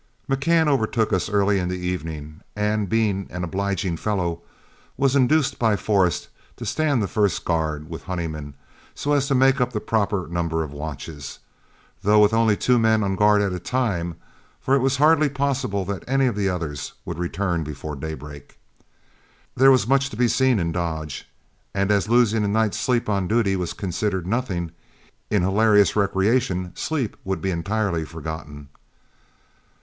McCann overtook us early in the evening, and, being an obliging fellow, was induced by Forrest to stand the first guard with Honeyman so as to make up the proper number of watches, though with only two men on guard at a time, for it was hardly possible that any of the others would return before daybreak. There was much to be seen in Dodge, and as losing a night's sleep on duty was considered nothing, in hilarious recreation sleep would be entirely forgotten.